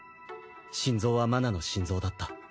心臓は麻奈の心臓だった。